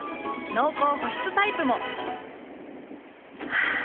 濃厚保湿タイプも。ハァ。